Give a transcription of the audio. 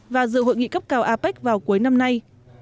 và dự hội nghị cấp cao apec vào cuối năm nay